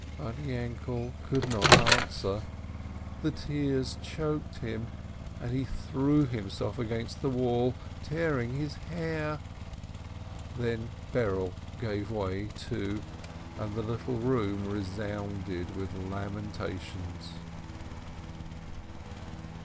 But Yainkele could not answer. The tears choked him, and he threw himself against the wall, tearing his hair. Then Berele gave way, too, and the little room resounded with lamentations.